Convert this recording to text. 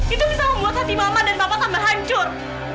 itu bisa membuat hati mama dan bapak kamu berhancur